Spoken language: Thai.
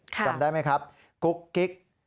จำได้ไหมครับกุ๊กกิ๊ก